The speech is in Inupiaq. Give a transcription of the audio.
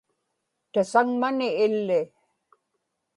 tasaŋmani illi